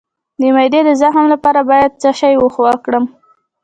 د معدې د زخم لپاره باید څه شی وکاروم؟